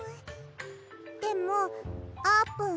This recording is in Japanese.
でもあーぷん